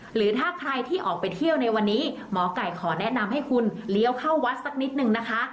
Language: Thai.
หรือถ้าใครที่ออกไปเที่ยวในวันนี้หมอไก่ขอแนะนำให้คุณเลี้ยวเข้าวัดสักนิดนึงนะคะ